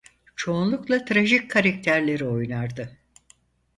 Çoğunlukla trajik karakterleri oynardı.